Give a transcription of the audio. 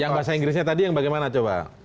yang bahasa inggrisnya tadi yang bagaimana coba